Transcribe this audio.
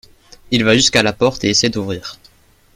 Il va jusqu’à la porte et essaie d’ouvrir.